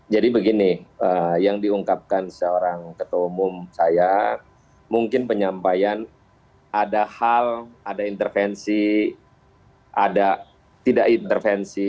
jadi begini yang diungkapkan seorang ketua umum saya mungkin penyampaian ada hal ada intervensi ada tidak intervensi